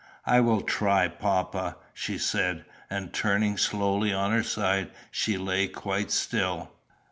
"I will try, papa," she said; and, turning slowly on her side, she lay quite still.